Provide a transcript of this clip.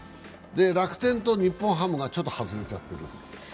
楽天と日本ハムがちょっと外れちゃってる。